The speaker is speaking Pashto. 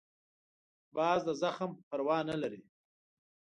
باز د زخم پروا نه لري